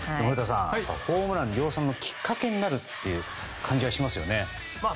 ホームラン量産のきっかけになるっていう感じがしますよね。